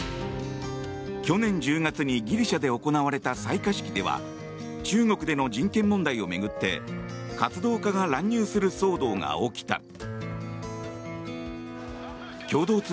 去年１０月にギリシャで行われた採火式では中国での人権問題を巡って活動家が乱入する騒動が起きた。